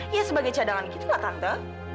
ya sebagai cadangan gitu lah tante